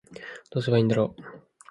どうすればいいんだろう